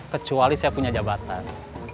kecuali saya punya jabatan